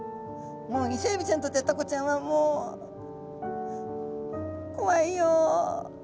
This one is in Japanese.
もうイセエビちゃんにとってはタコちゃんはもう「こわいよ」。